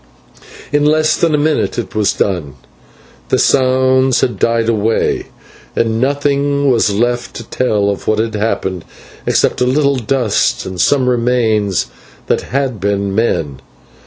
In less than a minute it was done, the sounds had died away, and nothing was left to tell of what had happened except a little dust and some remains that had been men.